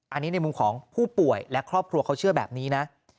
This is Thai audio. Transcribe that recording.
อันนี้ในมุมของผู้ป่วยและครอบครัวเขาเชื่อแบบนี้นะ